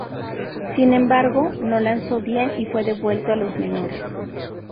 Sin embargo, no lanzó bien y fue devuelto a los menores.